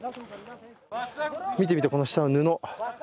見て見て、この下の布。